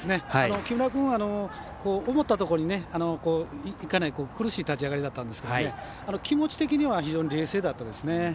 木村君は思ったところにいかない苦しい立ち上がりだったんですが気持ち的には非常に冷静でしたね。